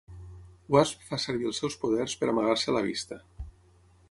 Wasp fa servir els seus poders per amagar-se a la vista.